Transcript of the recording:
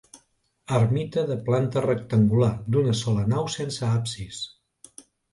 Ermita de planta rectangular d'una sola nau sense absis.